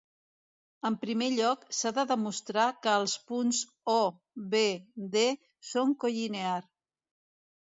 En primer lloc, s'ha de demostrar que els punts O, B, D són collinear.